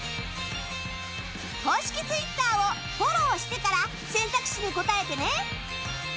公式ツイッターをフォローしてから選択肢に答えてね。